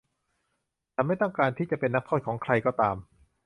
ฉันไม่ต้องการที่จะเป็นนักโทษของใครก็ตาม